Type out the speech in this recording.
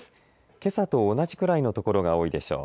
けさと同じくらいのところが多いでしょう。